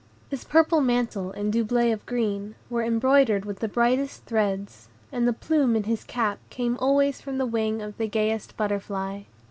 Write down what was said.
His purple mantle, and doublet of green, were embroidered with the brightest threads, and the plume in his cap came always from the wing of the gayest butterfly.